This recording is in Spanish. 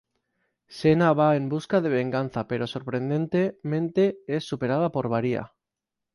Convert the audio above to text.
Xena va en busca de venganza, pero sorprendente mente es superada por Varía.